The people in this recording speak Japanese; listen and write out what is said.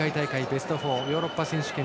ベスト４ヨーロッパ選手権